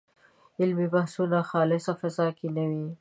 علمي بحثونه خالصه فضا کې نه دي.